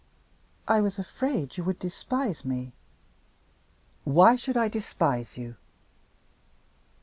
"I was afraid you would despise me." "Why should I despise you?"